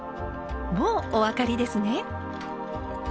もうお分かりですね。